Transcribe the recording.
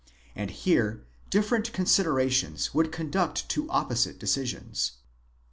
And here different con siderations would conduct to opposite decisions.